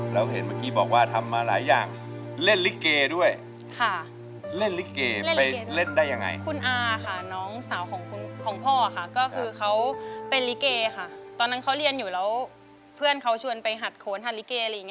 แล้วเห็นเมื่อกี้บอกว่าทำมาหลายอย่างเล่นลิเกด้วยค่ะเล่นลิเกไปเล่นได้ยังไงคุณอาค่ะน้องสาวของคุณของพ่อค่ะก็คือเขาเป็นลิเกค่ะตอนนั้นเขาเรียนอยู่แล้วเพื่อนเขาชวนไปหัดโขนหัดลิเกอะไรอย่างนี้